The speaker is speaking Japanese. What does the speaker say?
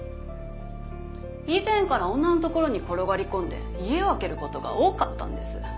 以前から女のところに転がり込んで家を空ける事が多かったんです。